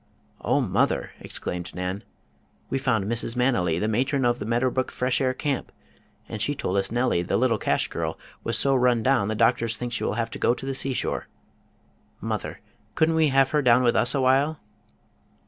"Oh, mother!" exclaimed Nan, "we found Mrs. Manily, the matron of the Meadow Brook Fresh Air Camp, and she told us Nellie, the little cash girl, was so run down the doctors think she will have to go to the seashore. Mother, couldn't we have her down with us awhile?"